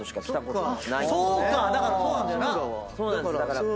そうか！